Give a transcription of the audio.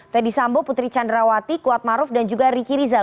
fendi sambo putri candrawati kuatmaruf dan juga riki rizal